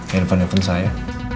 ya depan depan saya